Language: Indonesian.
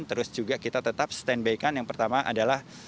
terus juga kita tetap stand by kan yang pertama adalah